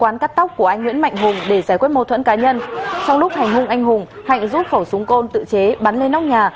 sau lúc hành hung anh hùng hạnh rút khẩu súng côn tự chế bắn lên nóc nhà